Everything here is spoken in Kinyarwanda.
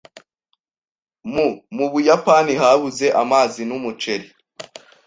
Mu , mu Buyapani habuze amazi n'umuceri.